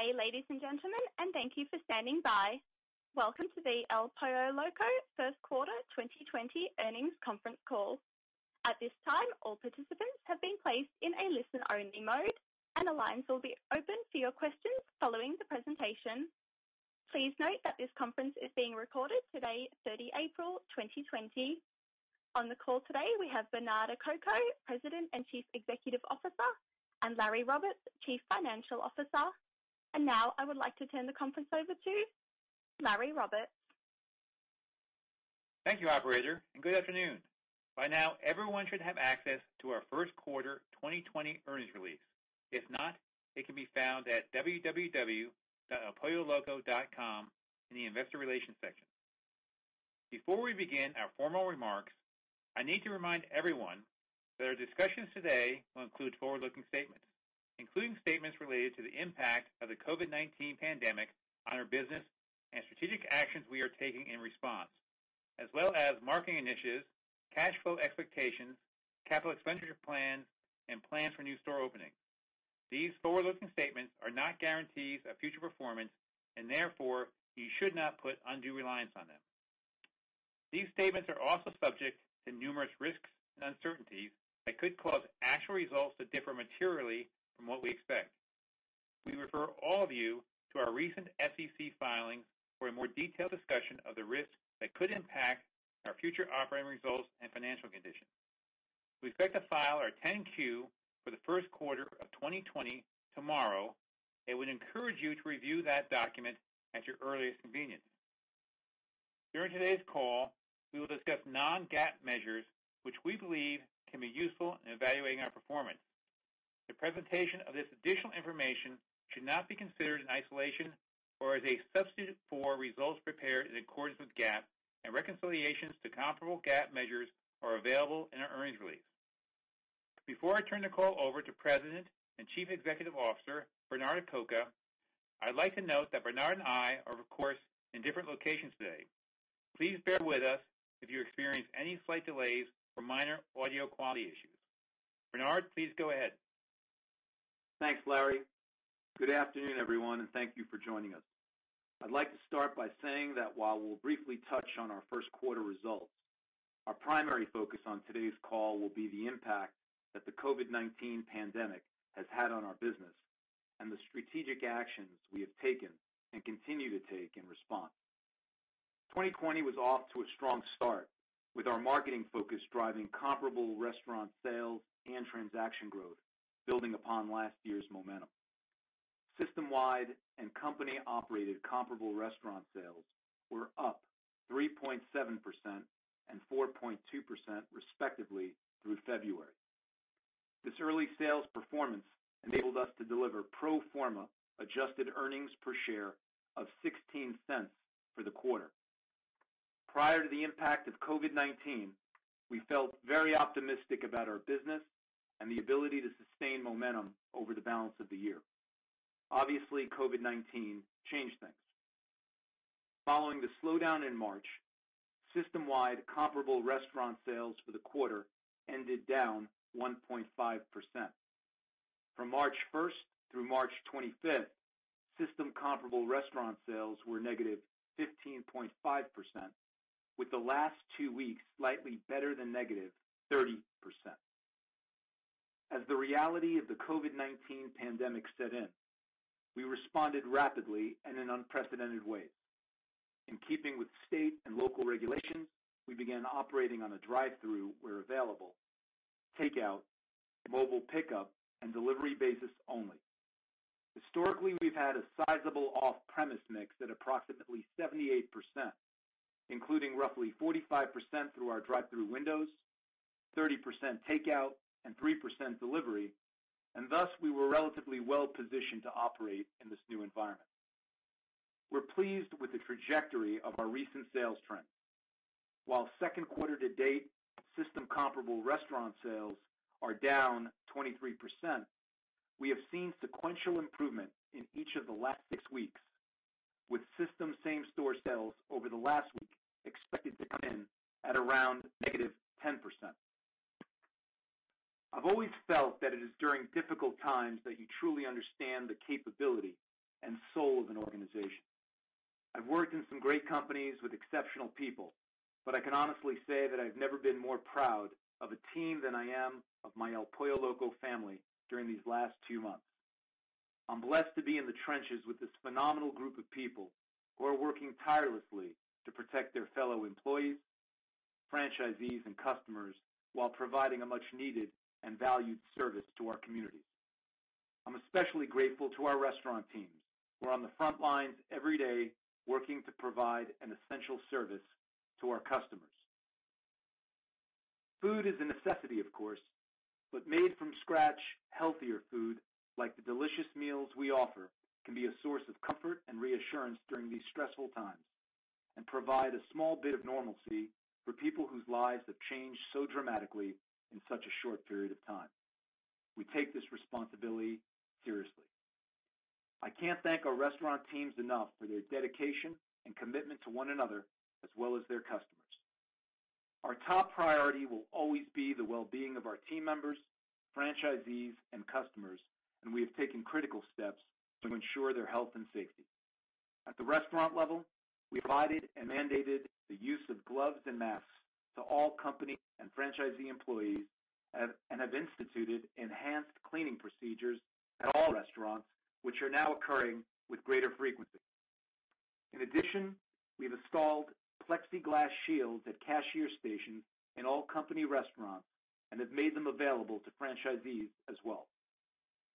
Good day, ladies and gentlemen. Thank you for standing by. Welcome to the El Pollo Loco First Quarter 2020 earnings conference call. At this time, all participants have been placed in a listen-only mode, and the lines will be open for your questions following the presentation. Please note that this conference is being recorded today, 30 April 2020. On the call today, we have Bernard Acoca, President and Chief Executive Officer, and Larry Roberts, Chief Financial Officer. Now I would like to turn the conference over to Larry Roberts. Thank you, operator. Good afternoon. By now, everyone should have access to our first quarter 2020 earnings release. If not, it can be found at www.elpolloloco.com in the investor relations section. Before we begin our formal remarks, I need to remind everyone that our discussions today will include forward-looking statements, including statements related to the impact of the COVID-19 pandemic on our business and strategic actions we are taking in response, as well as marketing initiatives, cash flow expectations, capital expenditure plans, and plans for new store openings. These forward-looking statements are not guarantees of future performance, and therefore, you should not put undue reliance on them. These statements are also subject to numerous risks and uncertainties that could cause actual results to differ materially from what we expect. We refer all of you to our recent SEC filings for a more detailed discussion of the risks that could impact our future operating results and financial conditions. We expect to file our 10-Q for the first quarter of 2020 tomorrow and would encourage you to review that document at your earliest convenience. During today's call, we will discuss non-GAAP measures which we believe can be useful in evaluating our performance. The presentation of this additional information should not be considered in isolation or as a substitute for results prepared in accordance with GAAP, and reconciliations to comparable GAAP measures are available in our earnings release. Before I turn the call over to President and Chief Executive Officer, Bernard Acoca, I'd like to note that Bernard and I are, of course, in different locations today. Please bear with us if you experience any slight delays or minor audio quality issues. Bernard, please go ahead. Thanks, Larry. Good afternoon, everyone, and thank you for joining us. I'd like to start by saying that while we'll briefly touch on our first quarter results, our primary focus on today's call will be the impact that the COVID-19 pandemic has had on our business and the strategic actions we have taken and continue to take in response. 2020 was off to a strong start with our marketing focus driving comparable restaurant sales and transaction growth building upon last year's momentum. System-wide and company-operated comparable restaurant sales were up 3.7% and 4.2% respectively through February. This early sales performance enabled us to deliver pro forma adjusted earnings per share of $0.16 for the quarter. Prior to the impact of COVID-19, we felt very optimistic about our business and the ability to sustain momentum over the balance of the year. Obviously, COVID-19 changed things. Following the slowdown in March, system-wide comparable restaurant sales for the quarter ended down 1.5%. From March 1st through March 25th, system comparable restaurant sales were -15.5%, with the last two weeks slightly better than -30%. As the reality of the COVID-19 pandemic set in, we responded rapidly in an unprecedented way. In keeping with state and local regulations, we began operating on a drive-through where available, takeout, mobile pickup, and delivery basis only. Historically, we've had a sizable off-premise mix at approximately 78%, including roughly 45% through our drive-through windows, 30% takeout, and 3% delivery, and thus, we were relatively well-positioned to operate in this new environment. We're pleased with the trajectory of our recent sales trends. While second quarter to date system comparable restaurant sales are down 23%, we have seen sequential improvement in each of the last six weeks with system same store sales over the last week expected to come in at around -10%. I've always felt that it is during difficult times that you truly understand the capability and soul of an organization. I've worked in some great companies with exceptional people, but I can honestly say that I've never been more proud of a team than I am of my El Pollo Loco family during these last two months. I'm blessed to be in the trenches with this phenomenal group of people who are working tirelessly to protect their fellow employees, franchisees, and customers while providing a much needed and valued service to our communities. I'm especially grateful to our restaurant teams who are on the front lines every day working to provide an essential service to our customers. Food is a necessity, of course, but made-from-scratch healthier food like the delicious meals we offer can be a source of comfort and reassurance during these stressful times and provide a small bit of normalcy for people whose lives have changed so dramatically in such a short period of time. We take this responsibility seriously. I can't thank our restaurant teams enough for their dedication and commitment to one another as well as their customers. Our top priority will always be the well-being of our team members, franchisees, and customers, and we have taken critical steps to ensure their health and safety. At the restaurant level, we provided and mandated the use of gloves and masks to all company and franchisee employees and have instituted enhanced cleaning procedures at all restaurants, which are now occurring with greater frequency. In addition, we have installed plexiglass shields at cashier stations in all company restaurants and have made them available to franchisees as well.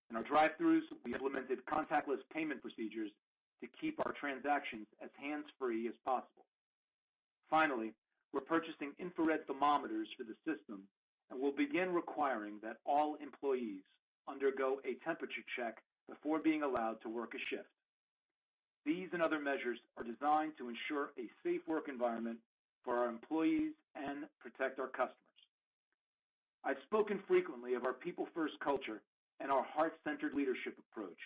In our drive-throughs, we implemented contactless payment procedures to keep our transactions as hands-free as possible. Finally, we're purchasing infrared thermometers for the system and will begin requiring that all employees undergo a temperature check before being allowed to work a shift. These and other measures are designed to ensure a safe work environment for our employees and protect our customers. I've spoken frequently of our people-first culture and our heart-centered leadership approach,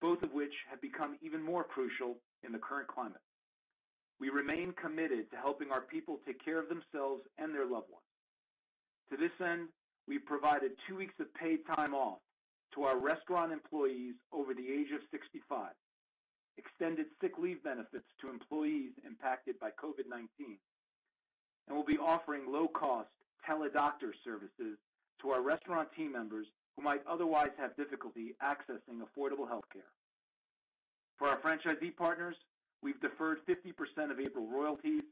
both of which have become even more crucial in the current climate. We remain committed to helping our people take care of themselves and their loved ones. To this end, we provided two weeks of paid time off to our restaurant employees over the age of 65, extended sick leave benefits to employees impacted by COVID-19, and we'll be offering low-cost tele-doctor services to our restaurant team members who might otherwise have difficulty accessing affordable healthcare. For our franchisee partners, we've deferred 50% of April royalties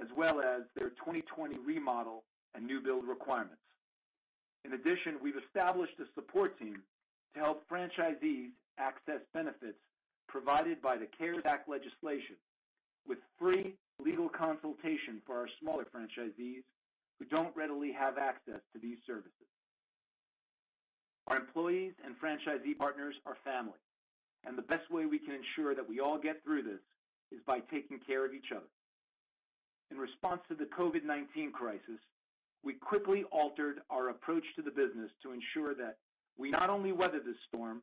as well as their 2020 remodel and new build requirements. In addition, we've established a support team to help franchisees access benefits provided by the CARES Act legislation with free legal consultation for our smaller franchisees who don't readily have access to these services. Our employees and franchisee partners are family, and the best way we can ensure that we all get through this is by taking care of each other. In response to the COVID-19 crisis, we quickly altered our approach to the business to ensure that we not only weather this storm,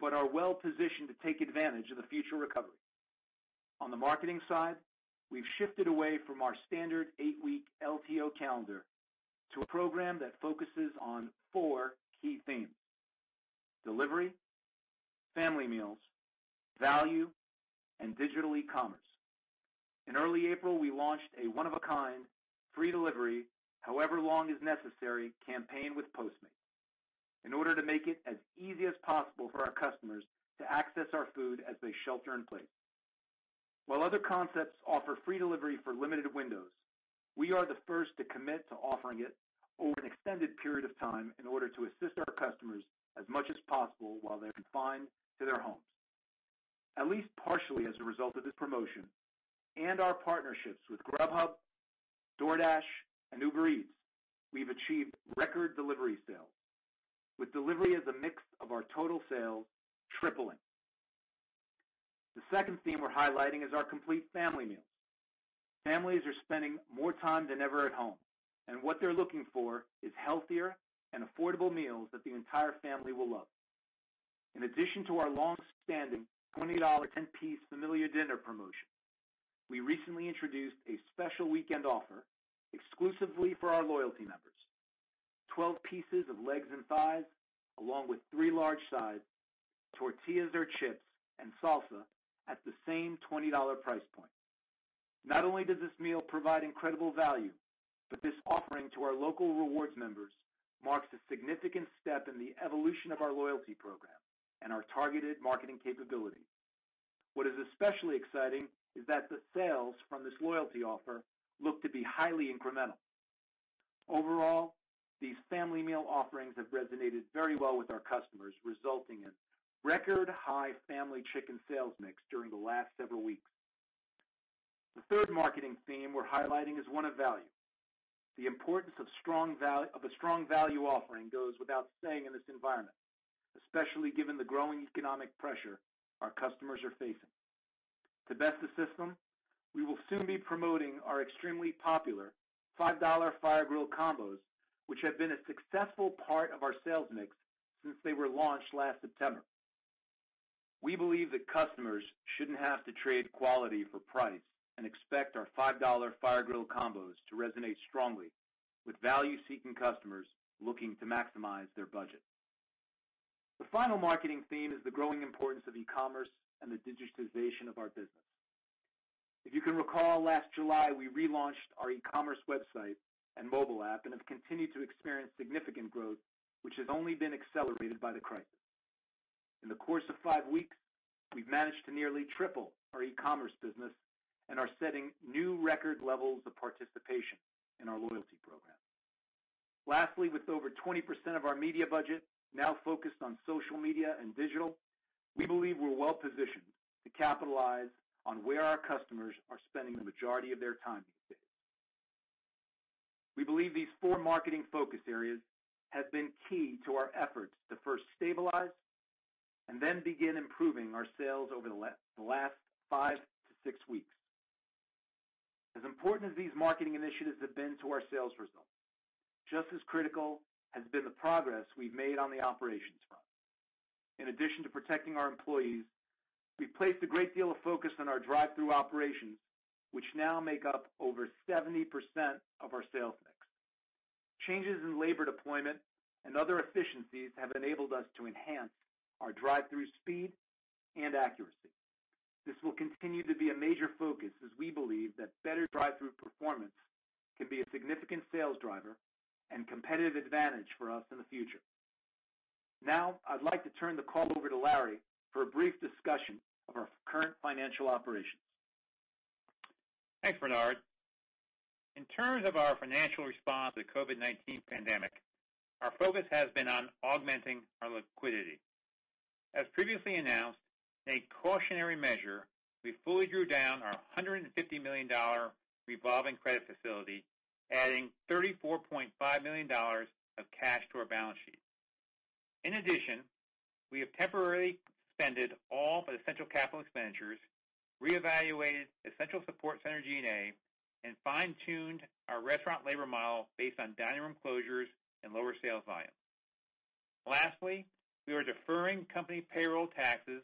but are well-positioned to take advantage of the future recovery. On the marketing side, we've shifted away from our standard eight-week LTO calendar to a program that focuses on four key themes: delivery, family meals, value, and digital e-commerce. In early April, we launched a one-of-a-kind free delivery however long is necessary campaign with Postmates in order to make it as easy as possible for our customers to access our food as they shelter in place. While other concepts offer free delivery for limited windows, we are the first to commit to offering it over an extended period of time in order to assist our customers as much as possible while they're confined to their homes. At least partially as a result of this promotion and our partnerships with Grubhub, DoorDash, and Uber Eats, we've achieved record delivery sales, with delivery as a mix of our total sales tripling. The second theme we're highlighting is our complete family meals. Families are spending more time than ever at home, and what they're looking for is healthier and affordable meals that the entire family will love. In addition to our longstanding $20 10-piece Familia Dinner promotion, we recently introduced a special weekend offer exclusively for our loyalty members. 12 pieces of legs and thighs, along with three large sides, tortillas or chips, and salsa at the same $20 price point. Not only does this meal provide incredible value, but this offering to our Loco Rewards members marks a significant step in the evolution of our loyalty program and our targeted marketing capability. What is especially exciting is that the sales from this loyalty offer look to be highly incremental. Overall, these family meal offerings have resonated very well with our customers, resulting in record high family chicken sales mix during the last several weeks. The third marketing theme we're highlighting is one of value. The importance of a strong value offering goes without saying in this environment, especially given the growing economic pressure our customers are facing. To best assist them, we will soon be promoting our extremely popular $5 Fire-Grilled Combos, which have been a successful part of our sales mix since they were launched last September. We believe that customers shouldn't have to trade quality for price and expect our $5 Fire-Grilled Combos to resonate strongly with value-seeking customers looking to maximize their budget. The final marketing theme is the growing importance of e-commerce and the digitization of our business. If you can recall, last July, we relaunched our e-commerce website and mobile app and have continued to experience significant growth, which has only been accelerated by the crisis. In the course of five weeks, we've managed to nearly triple our e-commerce business and are setting new record levels of participation in our loyalty program. Lastly, with over 20% of our media budget now focused on social media and digital, we believe we're well positioned to capitalize on where our customers are spending the majority of their time these days. We believe these four marketing focus areas have been key to our efforts to first stabilize and then begin improving our sales over the last five to six weeks. As important as these marketing initiatives have been to our sales. Just as critical has been the progress we've made on the operations front. In addition to protecting our employees, we've placed a great deal of focus on our drive-through operations, which now make up over 70% of our sales mix. Changes in labor deployment and other efficiencies have enabled us to enhance our drive-through speed and accuracy. This will continue to be a major focus as we believe that better drive-through performance can be a significant sales driver and competitive advantage for us in the future. Now, I'd like to turn the call over to Larry for a brief discussion of our current financial operations. Thanks, Bernard. In terms of our financial response to COVID-19 pandemic, our focus has been on augmenting our liquidity. As previously announced, in a cautionary measure, we fully drew down our $150 million revolving credit facility, adding $34.5 million of cash to our balance sheet. In addition, we have temporarily suspended all but essential capital expenditures, reevaluated essential support center G&A, and fine-tuned our restaurant labor model based on dining room closures and lower sales volume. Lastly, we are deferring company payroll taxes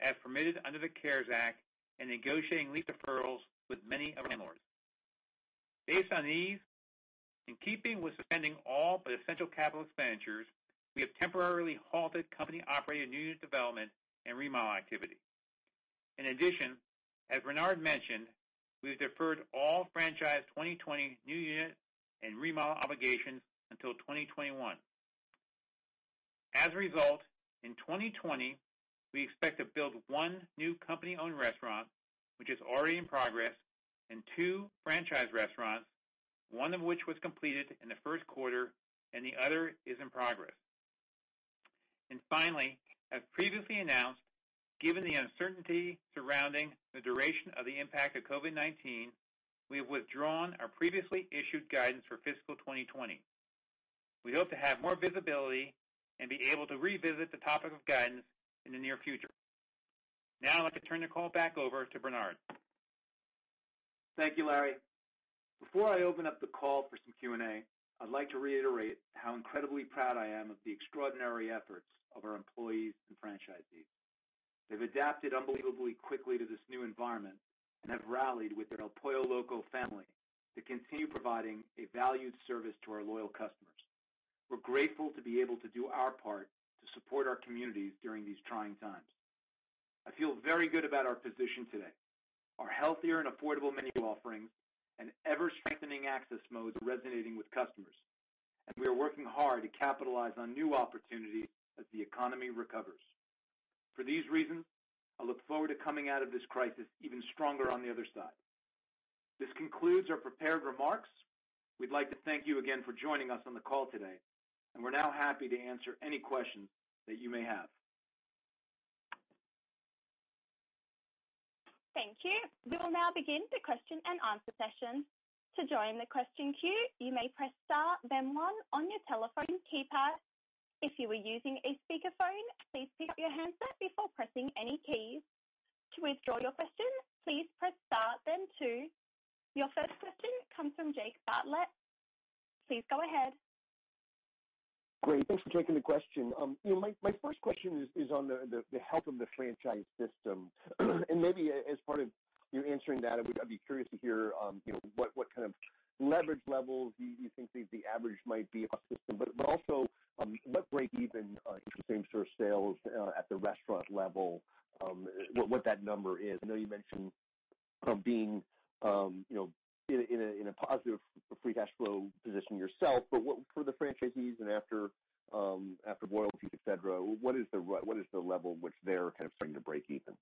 as permitted under the CARES Act and negotiating lease deferrals with many of our landlords. Based on these, in keeping with suspending all but essential capital expenditures, we have temporarily halted company-operated new unit development and remodel activity. In addition, as Bernard mentioned, we have deferred all franchise 2020 new unit and remodel obligations until 2021. As a result, in 2020, we expect to build one new company-owned restaurant, which is already in progress, and two franchise restaurants, one of which was completed in the first quarter and the other is in progress. Finally, as previously announced, given the uncertainty surrounding the duration of the impact of COVID-19, we have withdrawn our previously issued guidance for fiscal 2020. We hope to have more visibility and be able to revisit the topic of guidance in the near future. Now I'd like to turn the call back over to Bernard. Thank you, Larry. Before I open up the call for some Q&A, I'd like to reiterate how incredibly proud I am of the extraordinary efforts of our employees and franchisees. They've adapted unbelievably quickly to this new environment and have rallied with their El Pollo Loco family to continue providing a valued service to our loyal customers. We're grateful to be able to do our part to support our communities during these trying times. I feel very good about our position today. Our healthier and affordable menu offerings and ever-strengthening access modes are resonating with customers, and we are working hard to capitalize on new opportunities as the economy recovers. For these reasons, I look forward to coming out of this crisis even stronger on the other side. This concludes our prepared remarks. We'd like to thank you again for joining us on the call today, and we're now happy to answer any questions that you may have. Thank you. We will now begin the question-and-answer session. To join the question queue, you may press star then one on your telephone keypad. If you are using a speakerphone, please pick up your handset before pressing any keys. To withdraw your question, please press star then two. Your first question comes from Jake Bartlett. Please go ahead. Great. Thanks for taking the question. My first question is on the health of the franchise system. Maybe as part of your answering that, I'd be curious to hear what kind of leverage levels you think the average might be across the system. Also, what breakeven in same-store sales at the restaurant level, what that number is. I know you mentioned being in a positive free cash flow position yourself, but what for the franchisees and after royalties, et cetera, what is the level which they're kind of starting to break even?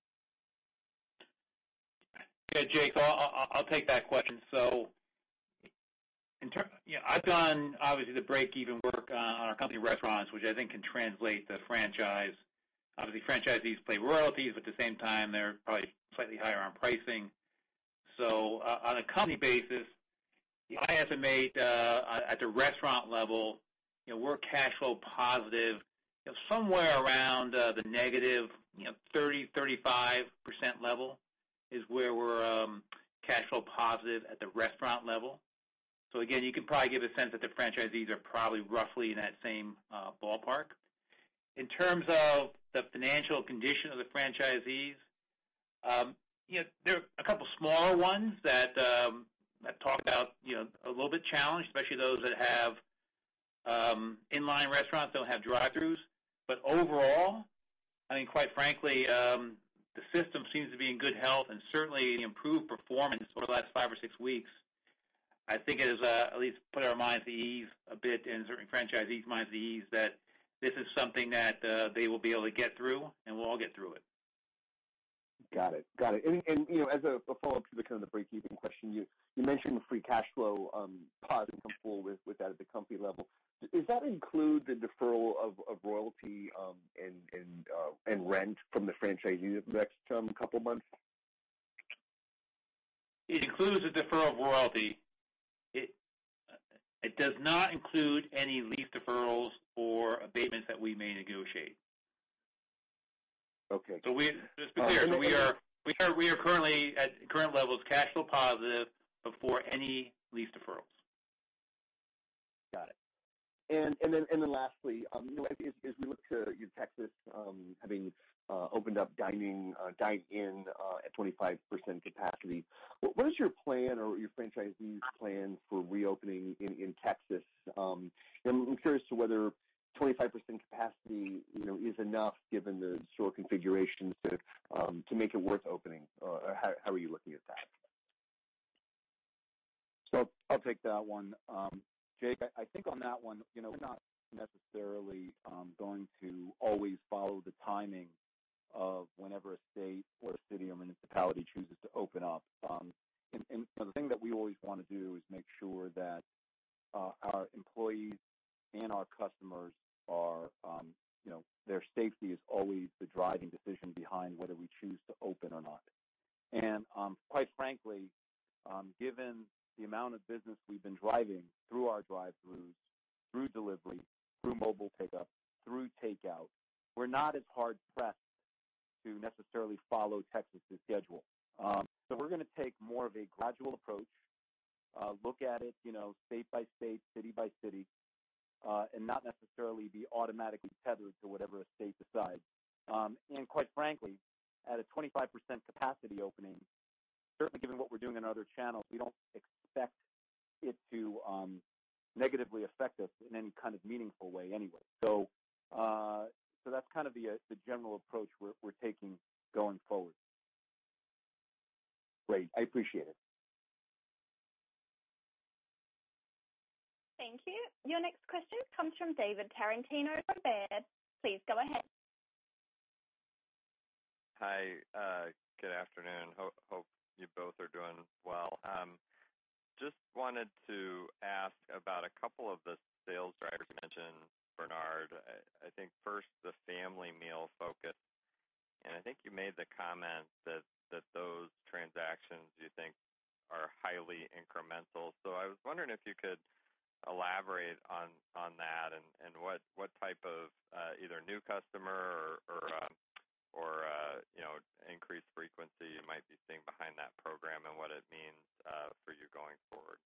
Yeah, Jake. I'll take that question. I've done, obviously, the break-even work on our company restaurants, which I think can translate to franchise. Obviously, franchisees pay royalties, at the same time, they're probably slightly higher on pricing. On a company basis, I estimate at the restaurant level, we're cash flow positive somewhere around the -30% to -35% level is where we're cash flow positive at the restaurant level. Again, you can probably get a sense that the franchisees are probably roughly in that same ballpark. In terms of the financial condition of the franchisees, there are a couple smaller ones that I've talked about, a little bit challenged, especially those that have inline restaurants, don't have drive-throughs. Overall, I think quite frankly, the system seems to be in good health and certainly the improved performance over the last five or six weeks, I think it has at least put our minds at ease a bit and certainly franchisees' minds at ease that this is something that they will be able to get through, and we'll all get through it. Got it. As a follow-up to the kind of the break-even question, you mentioned the free cash flow positive come forward with that at the company level. Does that include the deferral of royalty and rent from the franchisee next couple of months? It includes the deferral of royalty. It does not include any lease deferrals or abatements that we may negotiate. Okay. Just to be clear, we are currently at current levels cash flow positive before any lease deferrals. Got it. Lastly, as we look to Texas having opened up dine-in at 25% capacity, what is your plan or your franchisees' plan for reopening in Texas? I'm curious to whether 25% capacity is enough given the store configurations to make it worth opening, or how are you looking at that? I'll take that one. Jake, I think on that one, we're not necessarily going to always follow the timing of whenever a state or a city or municipality chooses to open up. The thing that we always want to do is make sure that our employees and our customers are, their safety is always the driving decision behind whether we choose to open or not. Quite frankly, given the amount of business we've been driving through our drive-throughs, through delivery, through mobile pickup, through takeout, we're not as hard pressed to necessarily follow Texas' schedule. We're going to take more of a gradual approach, look at it state by state, city by city, and not necessarily be automatically tethered to whatever a state decides. Quite frankly, at a 25% capacity opening, certainly given what we're doing in other channels, we don't expect it to negatively affect us in any kind of meaningful way anyway. That's kind of the general approach we're taking going forward. Great. I appreciate it. Thank you. Your next question comes from David Tarantino of Baird. Please go ahead. Hi. Good afternoon. Hope you both are doing well. Just wanted to ask about a couple of the sales drivers you mentioned, Bernard. I think first, the family meal focus, and I think you made the comment that those transactions you think are highly incremental. I was wondering if you could elaborate on that and what type of either new customer or increased frequency you might be seeing behind that program and what it means for you going forward.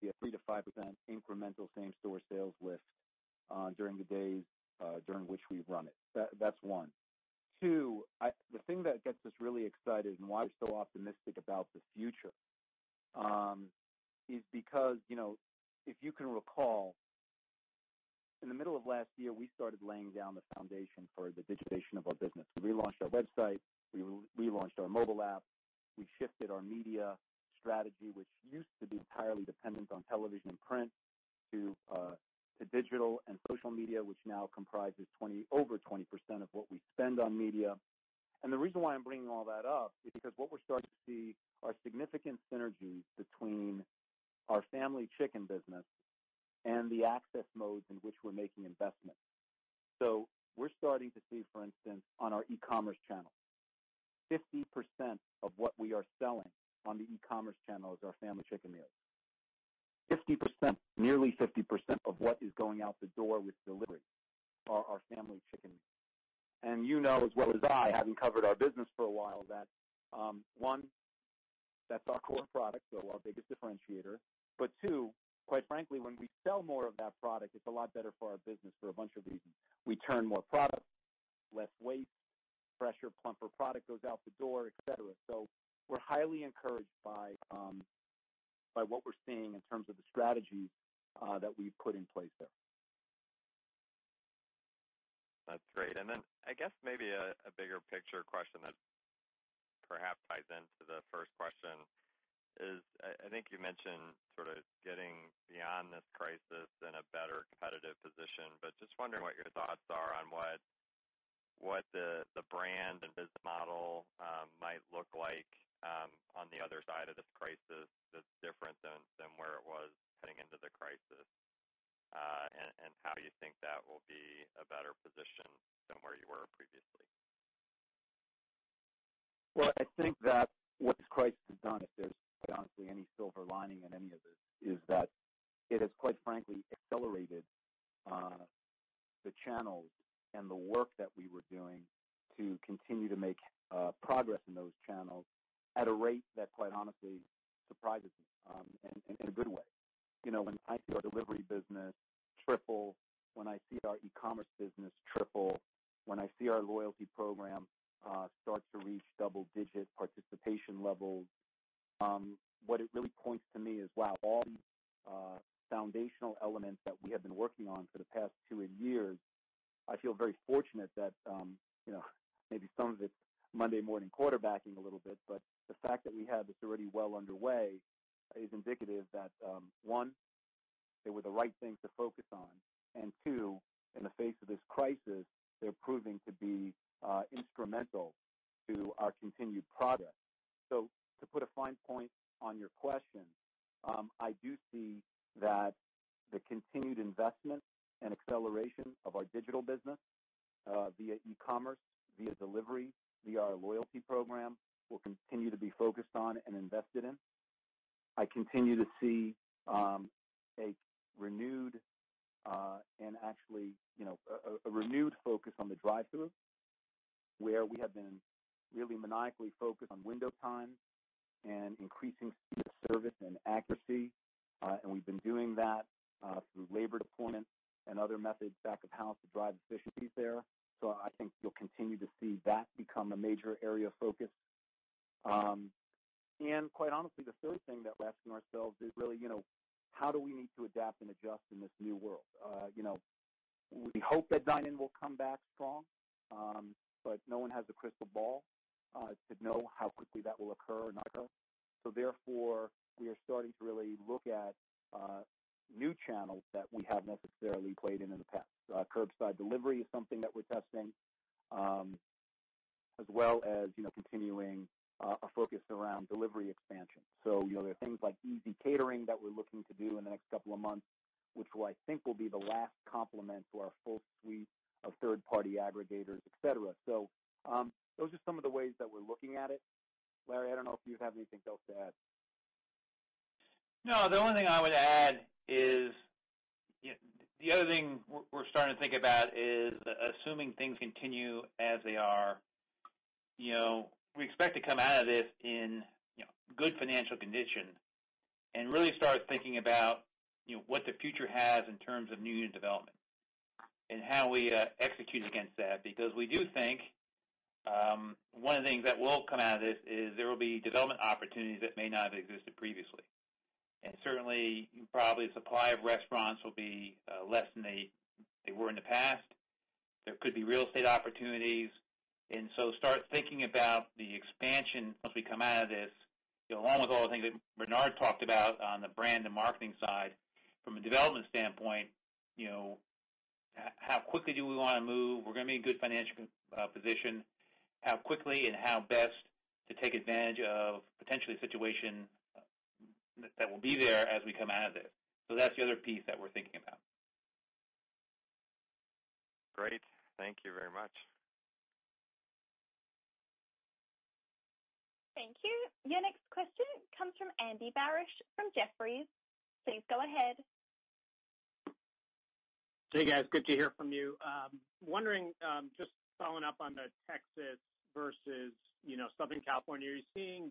Yeah, 3%-5% incremental same-store sales lift during the days during which we've run it. That's one. Two, the thing that gets us really excited and why we're so optimistic about the future, is because, if you can recall, in the middle of last year, we started laying down the foundation for the digitization of our business. We relaunched our website, we relaunched our mobile app, we shifted our media strategy, which used to be entirely dependent on television and print to digital and social media, which now comprises over 20% of what we spend on media. The reason why I'm bringing all that up is because what we're starting to see are significant synergies between our family chicken business and the access modes in which we're making investments. We're starting to see, for instance, on our e-commerce channel, 50% of what we are selling on the e-commerce channel is our family chicken meals. 50%, nearly 50% of what is going out the door with delivery are our family chicken. You know as well as I, having covered our business for a while, that one, that's our core product, so our biggest differentiator. Two, quite frankly, when we sell more of that product, it's a lot better for our business for a bunch of reasons. We turn more product, less waste, fresher, plumper product goes out the door, et cetera. We're highly encouraged by what we're seeing in terms of the strategies that we've put in place there. That's great. I guess maybe a bigger picture question that perhaps ties into the first question is, I think you mentioned sort of getting beyond this crisis in a better competitive position, but just wondering what your thoughts are on what the brand and business model might look like on the other side of this crisis that's different than where it was heading into the crisis. How you think that will be a better position than where you were previously. I think that what this crisis has done, if there's quite honestly any silver lining in any of this, is that it has quite frankly accelerated the channels and the work that we were doing to continue to make progress in those channels at a rate that quite honestly surprises me, and in a good way. When I see our delivery business triple, when I see our e-commerce business triple, when I see our loyalty program start to reach double-digit participation levels, what it really points to me is, wow, all these foundational elements that we have been working on for the past two years, I feel very fortunate that maybe some of it's Monday morning quarterbacking a little bit, but the fact that we had this already well underway is indicative that, one, they were the right things to focus on, and two, in the face of this crisis, they're proving to be instrumental to our continued progress. To put a fine point on your question, I do see that the continued investment and acceleration of our digital business, via e-commerce, via delivery, via our loyalty program, will continue to be focused on and invested in. I continue to see a renewed focus on the drive-through, where we have been really maniacally focused on window times and increasing speed of service and accuracy. We've been doing that through labor deployment and other methods back of house to drive efficiencies there. I think you'll continue to see that become a major area of focus. Quite honestly, the third thing that we're asking ourselves is really, how do we need to adapt and adjust in this new world? We hope that dine-in will come back strong, but no one has a crystal ball to know how quickly that will occur or not occur. Therefore, we are starting to really look at new channels that we haven't necessarily played in in the past. Curbside delivery is something that we're testing, as well as continuing a focus around delivery expansion. There are things like ezCatering that we're looking to do in the next couple of months, which I think will be the last complement to our full suite of third-party aggregators, et cetera. Those are some of the ways that we're looking at it. Larry, I don't know if you have anything else to add. No, the only thing I would add is, the other thing we're starting to think about is assuming things continue as they are, we expect to come out of this in good financial condition and really start thinking about what the future has in terms of new unit development and how we execute against that. Because we do think one of the things that will come out of this is there will be development opportunities that may not have existed previously. Certainly, probably supply of restaurants will be less than they were in the past. There could be real estate opportunities. Start thinking about the expansion once we come out of this. Along with all the things that Bernard talked about on the brand and marketing side, from a development standpoint, how quickly do we want to move? We're going to be in good financial position. How quickly and how best to take advantage of potentially a situation that will be there as we come out of this. That's the other piece that we're thinking about. Great. Thank you very much. Thank you. Your next question comes from Andy Barish from Jefferies. Please go ahead. Hey, guys. Good to hear from you. Just following up on the Texas versus Southern California, are you seeing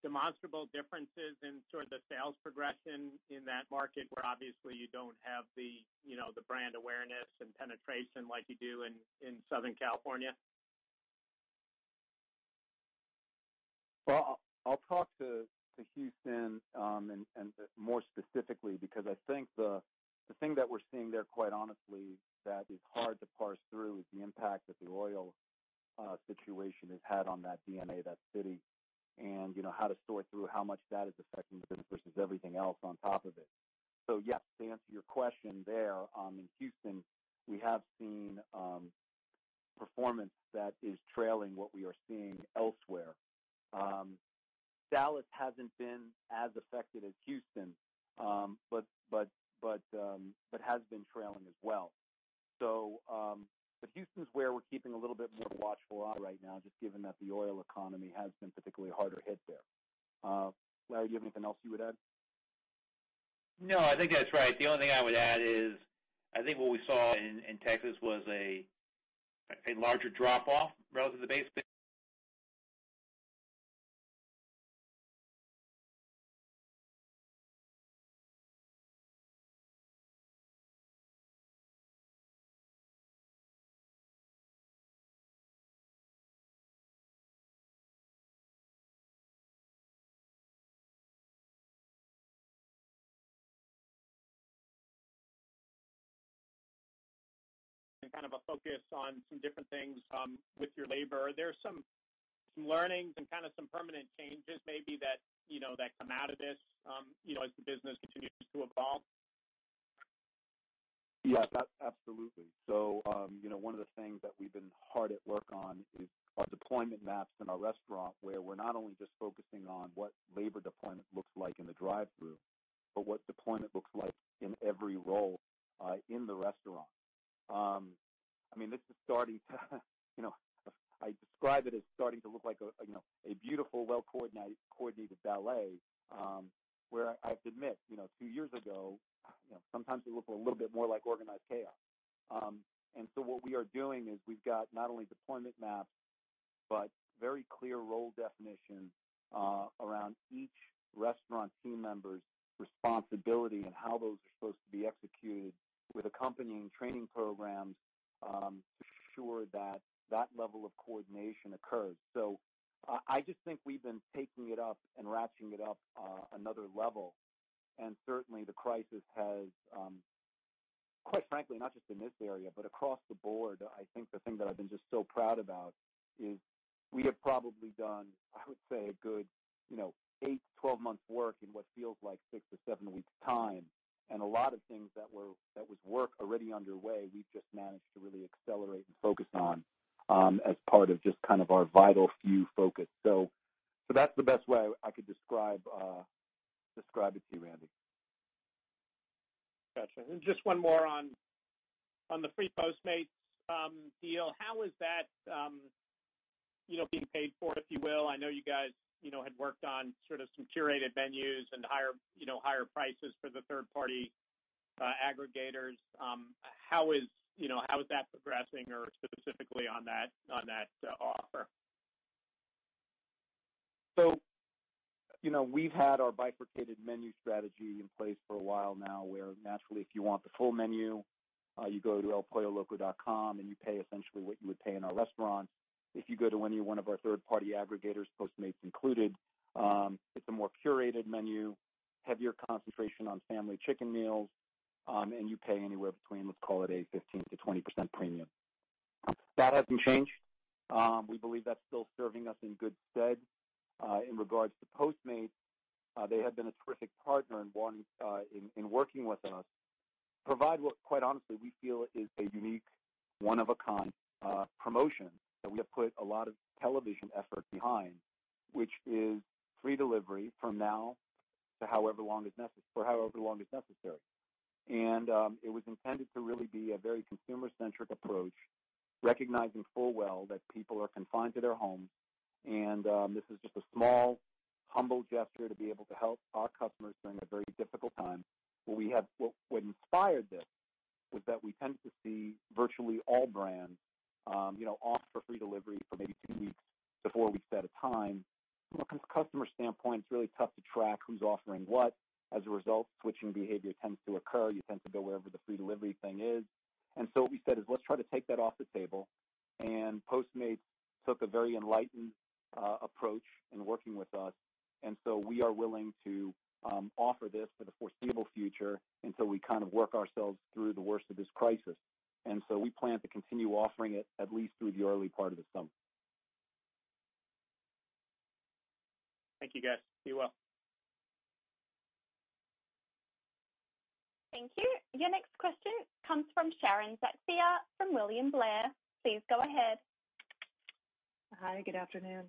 demonstrable differences in sort of the sales progression in that market where obviously you don't have the brand awareness and penetration like you do in Southern California? I'll talk to Houston, and more specifically, because I think the thing that we're seeing there, quite honestly, that is hard to parse through is the impact that the oil situation has had on that DNA of that city, and how to sort through how much that is affecting the business versus everything else on top of it. Yes, to answer your question there, in Houston, we have seen performance that is trailing what we are seeing elsewhere. Dallas hasn't been as affected as Houston, but has been trailing as well. Houston's where we're keeping a little bit more of a watchful eye right now, just given that the oil economy has been particularly harder hit there. Larry, do you have anything else you would add? I think that's right. The only thing I would add is, I think what we saw in Texas was a larger drop-off relative to base and kind of a focus on some different things with your labor. Are there some learnings and kind of some permanent changes maybe that come out of this as the business continues to evolve? Yes. Absolutely. One of the things that we've been hard at work on is our deployment maps in our restaurant, where we're not only just focusing on what labor deployment looks like in the drive-through, but what deployment looks like in every role in the restaurant. I describe it as starting to look like a beautiful, well-coordinated ballet, where I have to admit, two years ago, sometimes it looked a little bit more like organized chaos. What we are doing is we've got not only deployment maps, but very clear role definition around each restaurant team member's responsibility and how those are supposed to be executed with accompanying training programs to ensure that that level of coordination occurs. I just think we've been taking it up and ratcheting it up another level, and certainly the crisis has, quite frankly, not just in this area, but across the board, I think the thing that I've been just so proud about is we have probably done, I would say, a good 8-12 months work in what feels like six to seven weeks' time. A lot of things that was work already underway, we've just managed to really accelerate and focus on as part of just kind of our vital few focus. That's the best way I could describe it to you, Andy. Got you. Just one more on the free Postmates deal. How is that being paid for, if you will? I know you guys had worked on some curated menus and higher prices for the third-party aggregators. How is that progressing or specifically on that offer? We've had our bifurcated menu strategy in place for a while now, where naturally, if you want the full menu, you go to elpolloloco.com and you pay essentially what you would pay in our restaurant. If you go to any one of our third-party aggregators, Postmates included, it's a more curated menu, heavier concentration on family chicken meals, and you pay anywhere between, let's call it a 15%-20% premium. That hasn't changed. We believe that's still serving us in good stead. In regards to Postmates, they have been a terrific partner in working with us, provide what quite honestly, we feel is a unique, one of a kind promotion that we have put a lot of television effort behind, which is free delivery from now for however long is necessary. It was intended to really be a very consumer-centric approach, recognizing full well that people are confined to their homes, and this is just a small, humble gesture to be able to help our customers during a very difficult time. What inspired this was that we tend to see virtually all brands offer free delivery for maybe two weeks to four weeks at a time. From a customer standpoint, it's really tough to track who's offering what. As a result, switching behavior tends to occur. You tend to go wherever the free delivery thing is. What we said is, let's try to take that off the table, and Postmates took a very enlightened approach in working with us. We are willing to offer this for the foreseeable future until we kind of work ourselves through the worst of this crisis. We plan to continue offering it at least through the early part of the summer. Thank you, guys. Be well. Thank you. Your next question comes from Sharon Zackfia from William Blair. Please go ahead. Hi, good afternoon.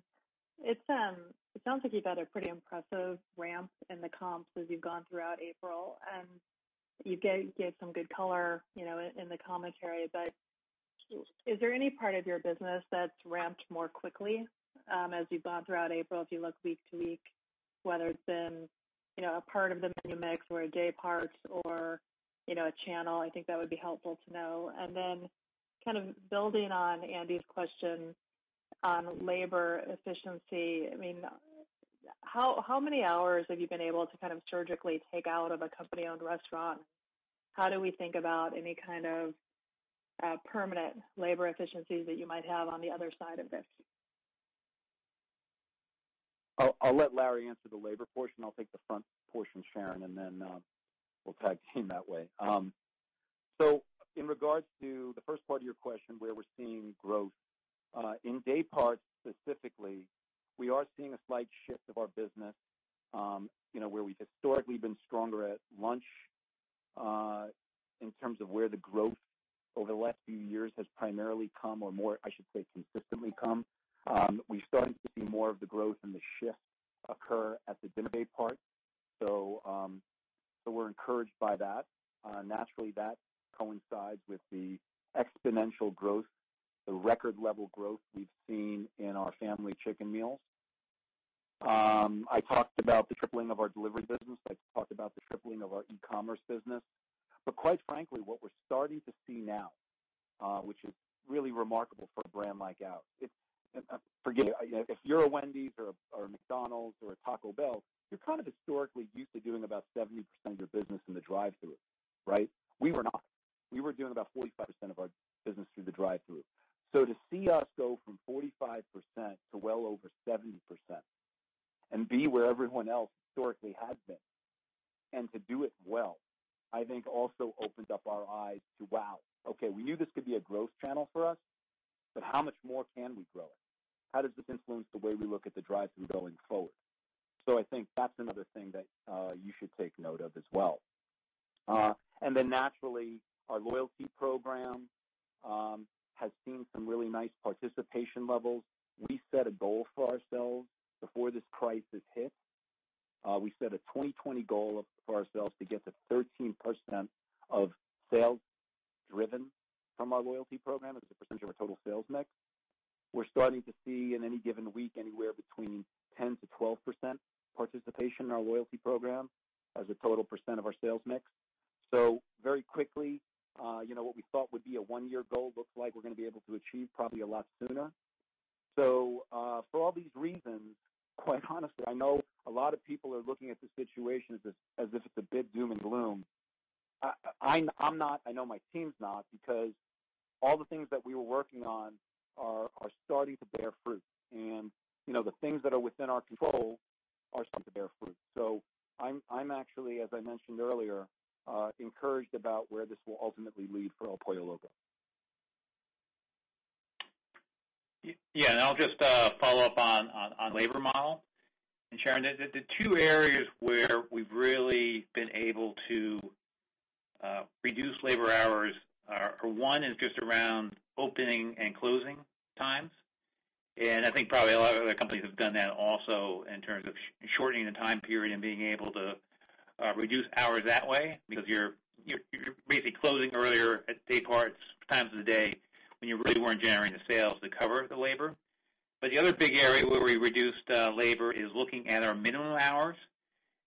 It sounds like you've had a pretty impressive ramp in the comps as you've gone throughout April, and you gave some good color in the commentary, is there any part of your business that's ramped more quickly as you've gone throughout April, if you look week to week, whether it's been a part of the menu mix or a day part or a channel? I think that would be helpful to know. Kind of building on Andy's question on labor efficiency, how many hours have you been able to kind of surgically take out of a company-owned restaurant? How do we think about any kind of permanent labor efficiencies that you might have on the other side of this? I'll let Larry answer the labor portion. I'll take the front portion, Sharon, and then we'll tag team that way. In regards to the first part of your question, where we're seeing growth. In day parts specifically, we are seeing a slight shift of our business, where we've historically been stronger at lunch, in terms of where the growth over the last few years has primarily come, or more, I should say, consistently come. We're starting to see more of the growth and the shift occur at the dinner day part. We're encouraged by that. Naturally, that coincides with the exponential growth, the record level growth we've seen in our family chicken meals. I talked about the tripling of our delivery business. I talked about the tripling of our e-commerce business. Quite frankly, what we're starting to see now, which is really remarkable for a brand like ours. Forget it, if you're a Wendy's or a McDonald's or a Taco Bell, you're kind of historically used to doing about 70% of your business in the drive-through. Right? We were not. We were doing about 45% of our business through the drive-through. To see us go from 45% to well over 70% and be where everyone else historically has been, and to do it well, I think also opens up our eyes to, wow, okay, we knew this could be a growth channel for us, but how much more can we grow it? How does this influence the way we look at the drive-through going forward? I think that's another thing that you should take note of as well. Naturally, our loyalty program has seen some really nice participation levels. We set a goal for ourselves before this crisis hit. We set a 2020 goal for ourselves to get to 13% of sales driven from our loyalty program as a percentage of our total sales mix. We're starting to see in any given week anywhere between 10%-12% participation in our loyalty program as a total percent of our sales mix. Very quickly, what we thought would be a one-year goal looks like we're going to be able to achieve probably a lot sooner. For all these reasons, quite honestly, I know a lot of people are looking at this situation as if it's a big doom and gloom. I'm not, I know my team's not, because all the things that we were working on are starting to bear fruit. The things that are within our control are starting to bear fruit. I'm actually, as I mentioned earlier, encouraged about where this will ultimately lead for El Pollo Loco. Yeah, I'll just follow up on labor model. Sharon, the two areas where we've really been able to reduce labor hours are for one is just around opening and closing times. I think probably a lot of other companies have done that also in terms of shortening the time period and being able to reduce hours that way, because you're basically closing earlier at day parts, times of the day when you really weren't generating the sales to cover the labor. The other big area where we reduced labor is looking at our minimum hours.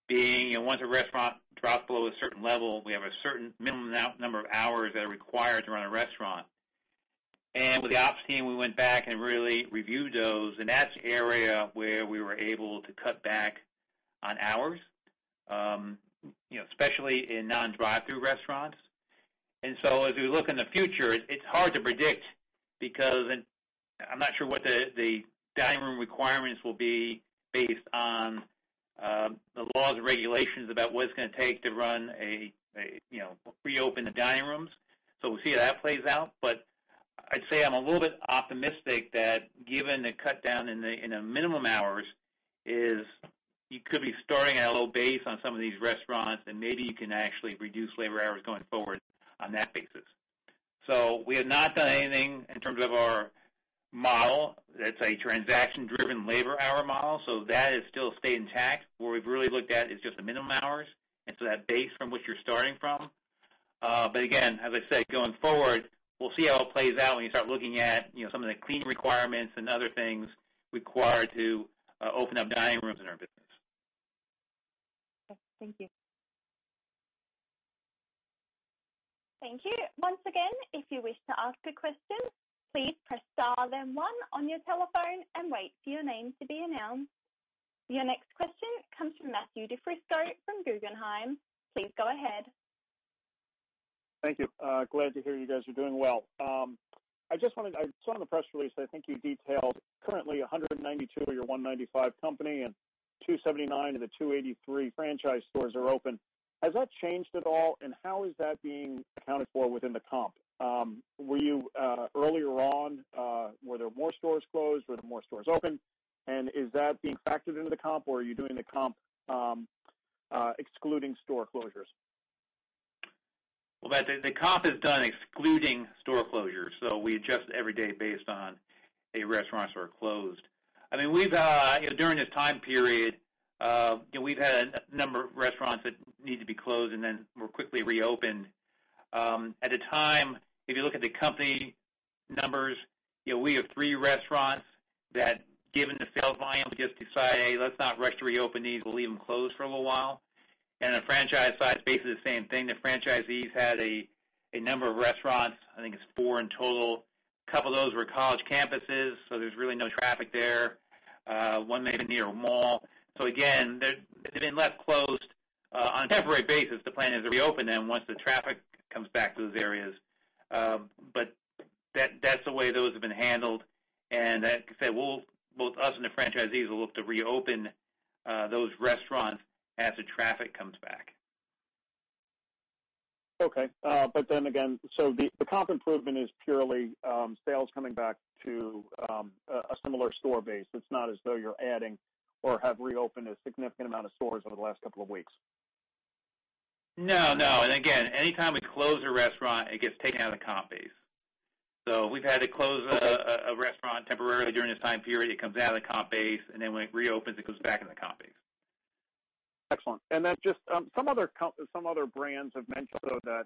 Being once a restaurant drops below a certain level, we have a certain minimum number of hours that are required to run a restaurant. With the ops team, we went back and really reviewed those, and that's the area where we were able to cut back on hours, especially in non-drive-through restaurants. As we look in the future, it's hard to predict because I'm not sure what the dining room requirements will be based on the laws and regulations about what it's going to take to reopen the dining rooms. We'll see how that plays out. I'd say I'm a little bit optimistic that given the cut down in the minimum hours is you could be starting at a low base on some of these restaurants, and maybe you can actually reduce labor hours going forward on that basis. We have not done anything in terms of our model. That's a transaction-driven labor hour model. That has still stayed intact. Where we've really looked at is just the minimum hours, that base from which you're starting from. Again, as I said, going forward, we'll see how it plays out when you start looking at some of the cleaning requirements and other things required to open up dining rooms in our business. Okay. Thank you. Thank you. Once again, if you wish to ask a question, please press star then one on your telephone and wait for your name to be announced. Your next question comes from Matthew DiFrisco from Guggenheim. Please go ahead. Thank you. Glad to hear you guys are doing well. I saw in the press release, I think you detailed currently 192 of your 195 company and 279 of the 283 franchise stores are open. Has that changed at all? How is that being accounted for within the comp? Earlier on, were there more stores closed? Were there more stores open? Is that being factored into the comp, or are you doing the comp excluding store closures? Well, Matt, the comp is done excluding store closures. We adjust every day based on any restaurants that are closed. During this time period, we've had a number of restaurants that needed to be closed and then were quickly reopened. At the time, if you look at the company numbers, we have three restaurants that, given the sales volume, we just decided, "Hey, let's not rush to reopen these. We'll leave them closed for a little while." The franchise side is basically the same thing. The franchisees had a number of restaurants, I think it's four in total. A couple of those were college campuses, so there's really no traffic there. One may have been near a mall. Again, they've been left closed on a temporary basis. The plan is to reopen them once the traffic comes back to those areas. That's the way those have been handled, and like I said, both us and the franchisees will look to reopen those restaurants as the traffic comes back. Okay. The comp improvement is purely sales coming back to a similar store base. It's not as though you're adding or have reopened a significant amount of stores over the last couple of weeks. No, no. Again, any time we close a restaurant, it gets taken out of the comp base. We've had to close a restaurant temporarily during this time period, it comes out of the comp base, and then when it reopens, it goes back in the comp base. Excellent. Just some other brands have mentioned, though, that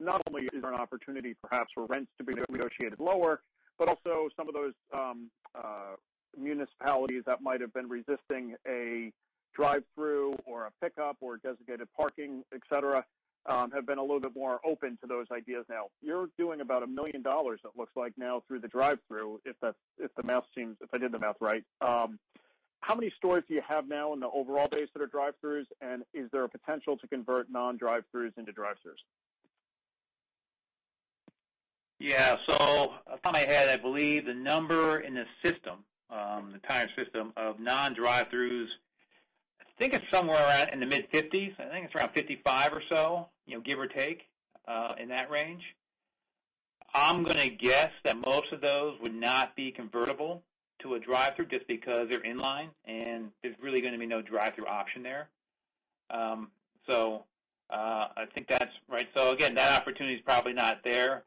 not only is there an opportunity perhaps for rents to be renegotiated lower, but also some of those municipalities that might have been resisting a drive-through or a pickup or designated parking, et cetera, have been a little bit more open to those ideas now. You're doing about $1 million, it looks like now, through the drive-through, if I did the math right. How many stores do you have now in the overall base that are drive-throughs, and is there a potential to convert non-drive-throughs into drive-throughs? Yeah. Off the top of my head, I believe the number in the system, the entire system of non-drive-throughs, I think it's somewhere in the mid-50s. I think it's around 55 or so, give or take, in that range. I'm going to guess that most of those would not be convertible to a drive-through just because they're in line, and there's really going to be no drive-through option there. I think that's right. Again, that opportunity is probably not there.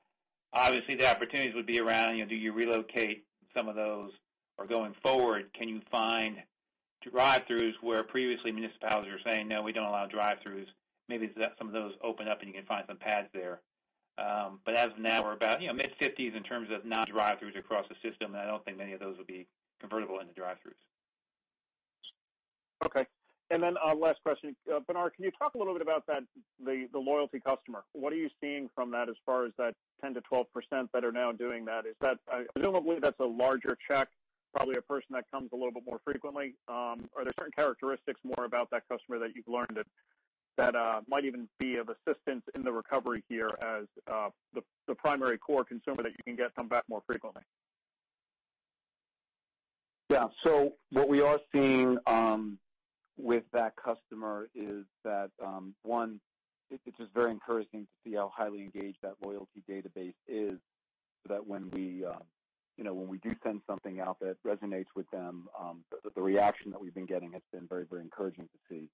Obviously, the opportunities would be around do you relocate some of those or going forward, can you find drive-throughs where previously municipalities are saying, "No, we don't allow drive-throughs." Maybe some of those open up and you can find some pads there. As of now, we're about mid-50s in terms of non-drive-throughs across the system, and I don't think many of those will be convertible into drive-throughs. Okay. Last question. Bernard, can you talk a little bit about the Loco Rewards customer. What are you seeing from that as far as that 10%-12% that are now doing that? Presumably, that's a larger check, probably a person that comes a little bit more frequently. Are there certain characteristics more about that customer that you've learned that might even be of assistance in the recovery here as the primary core consumer that you can get to come back more frequently? Yeah. What we are seeing with that customer is that, one, it's just very encouraging to see how highly engaged that loyalty database is, so that when we do send something out that resonates with them, the reaction that we've been getting has been very, very encouraging to see.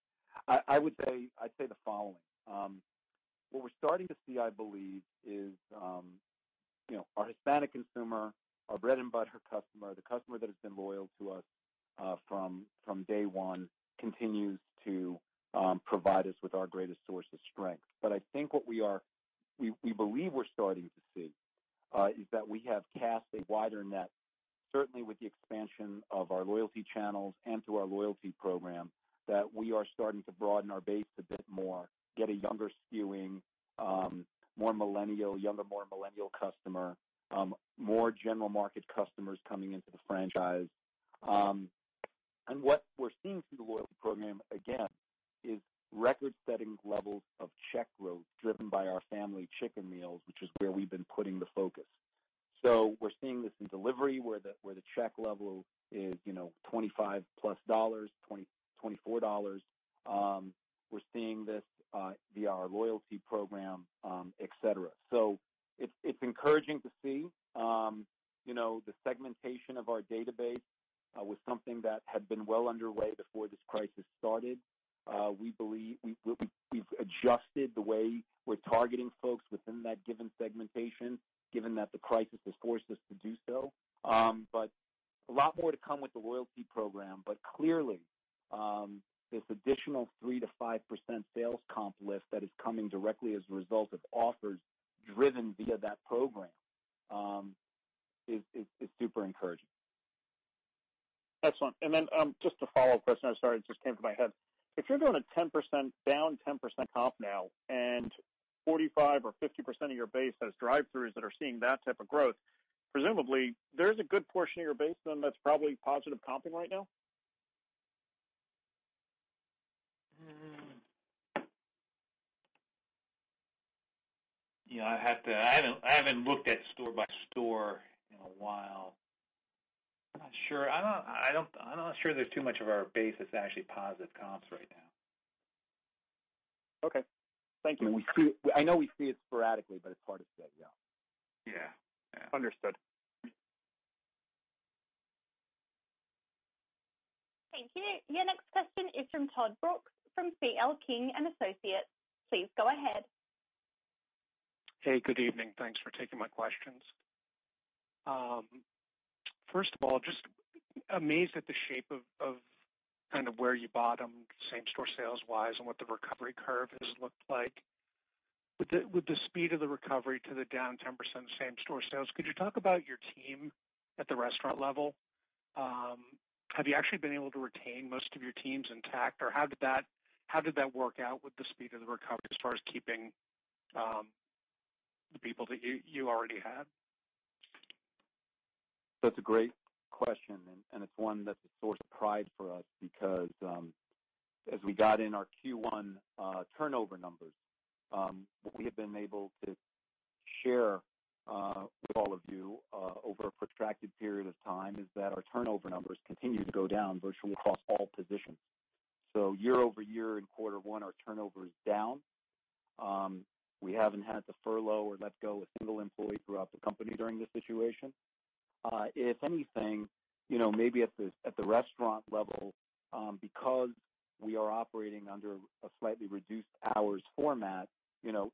What we're starting to see, I believe, is our Hispanic consumer, our bread-and-butter customer, the customer that has been loyal to us from day one, continues to provide us with our greatest source of strength. I think what we believe we're starting to see, is that we have cast a wider net, certainly with the expansion of our loyalty channels and to our loyalty program, that we are starting to broaden our base a bit more, get a younger skewing, younger, more millennial customer, more general market customers coming into the franchise. What we're seeing through the Loco Rewards program, again, is record-setting levels of check growth driven by our Familia Dinner, which is where we've been putting the focus. We're seeing this in delivery, where the check level is $25+, $24. We're seeing this via our Loco Rewards program, et cetera. It's encouraging to see. The segmentation of our database was something that had been well underway before this crisis started. We believe we've adjusted the way we're targeting folks within that given segmentation, given that the crisis has forced us to do so. A lot more to come with the Loco Rewards program. Clearly, this additional 3%-5% sales comp lift that is coming directly as a result of offers driven via that program is super encouraging. Excellent. Just a follow-up question. I'm sorry, it just came to my head. If you're doing a down 10% comp now and 45% or 50% of your base has drive-throughs that are seeing that type of growth, presumably there's a good portion of your base then that's probably positive comping right now? I haven't looked at store by store in a while. I'm not sure there's too much of our base that's actually positive comps right now. Okay. Thank you. I know we see it sporadically, but it's hard to say. Yeah. Yeah. Understood. Thank you. Your next question is from Todd Brooks from C.L. King & Associates. Please go ahead. Hey, good evening. Thanks for taking my questions. First of all, just amazed at the shape of where you bottom, same-store sales-wise, and what the recovery curve has looked like. With the speed of the recovery to the down 10% same-store sales, could you talk about your team at the restaurant level? Have you actually been able to retain most of your teams intact, or how did that work out with the speed of the recovery as far as keeping the people that you already had? That's a great question, and it's one that's a source of pride for us because, as we got in our Q1 turnover numbers, what we have been able to share with all of you over a protracted period of time is that our turnover numbers continue to go down virtually across all positions. Year-over-year in quarter one, our turnover is down. We haven't had to furlough or let go a single employee throughout the company during this situation. If anything, maybe at the restaurant level, because we are operating under a slightly reduced hours format,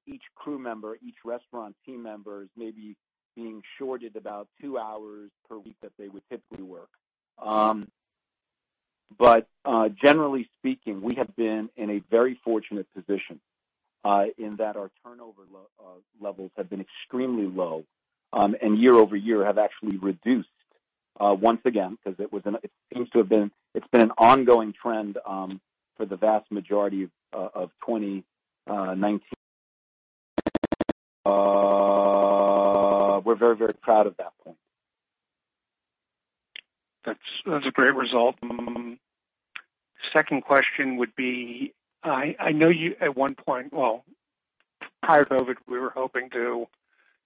each crew member, each restaurant team member is maybe being shorted about two hours per week that they would typically work. Generally speaking, we have been in a very fortunate position in that our turnover levels have been extremely low. Year-over-year have actually reduced once again, because it's been an ongoing trend for the vast majority of 2019. We're very proud of that point. That's a great result. Second question would be, I know you at one point Well, prior to COVID-19, we were hoping to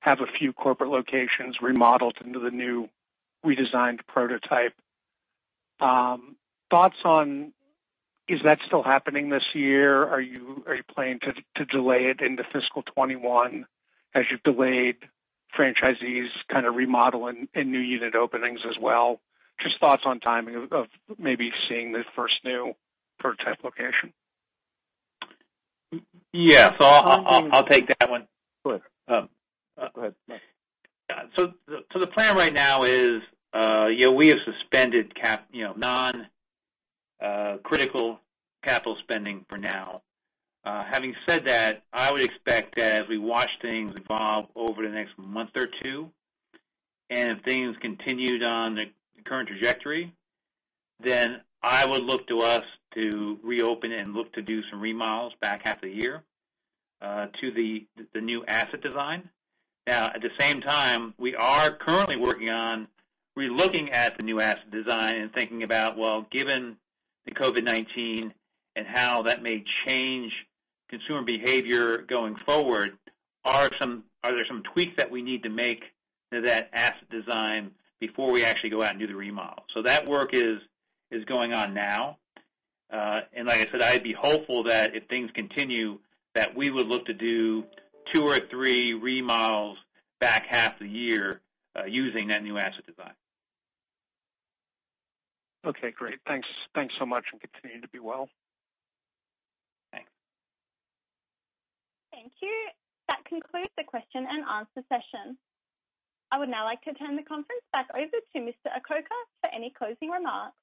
have a few corporate locations remodeled into the new redesigned prototype. Thoughts on, is that still happening this year? Are you planning to delay it into fiscal 2021 as you've delayed franchisees remodeling in new unit openings as well? Just thoughts on timing of maybe seeing the first new prototype location. Yeah. I'll take that one. Go ahead. The plan right now is, we have suspended non-critical capital spending for now. Having said that, I would expect that as we watch things evolve over the next month or two, and if things continued on the current trajectory, then I would look to us to reopen and look to do some remodels back half of the year to the new asset design. At the same time, we are currently working on re-looking at the new asset design and thinking about, well, given the COVID-19 and how that may change consumer behavior going forward, are there some tweaks that we need to make to that asset design before we actually go out and do the remodel? That work is going on now. Like I said, I'd be hopeful that if things continue, that we would look to do two or three remodels back half of the year, using that new asset design. Okay, great. Thanks so much, and continue to be well. Thanks. Thank you. That concludes the question-and-answer session. I would now like to turn the conference back over to Mr. Acoca for any closing remarks.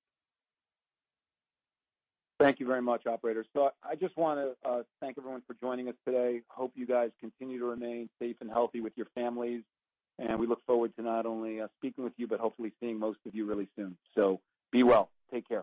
Thank you very much, operator. I just want to thank everyone for joining us today. Hope you guys continue to remain safe and healthy with your families, and we look forward to not only speaking with you, but hopefully seeing most of you really soon. Be well. Take care.